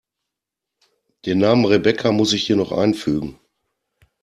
Den Namen Rebecca muss ich hier noch einfügen.